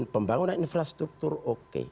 pembangunan infrastruktur oke